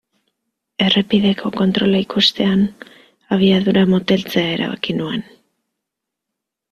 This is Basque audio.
Errepideko kontrola ikustean abiadura moteltzea erabaki nuen.